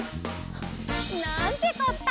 なんてこった！